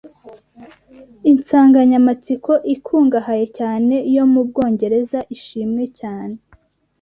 Insanganyamatsiko ikungahaye cyane yo mu Bwongereza ishimwe cyane,